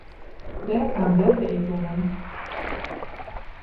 Dêr kaam beppe ek oan.